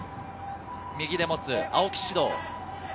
右で持つ、青木詩童。